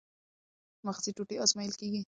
مغزي ټوټې ازمویل کېږي.